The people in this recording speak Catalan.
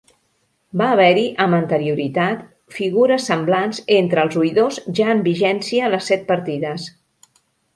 Va haver-hi amb anterioritat figures semblants entre els oïdors ja en vigència les Set Partides.